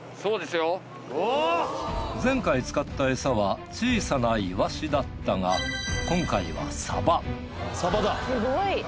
前回使った餌は小さなイワシだったが今回はサバすごい。